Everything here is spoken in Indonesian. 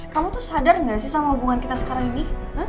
kamu tuh sadar gak sih sama hubungan kita sekarang ini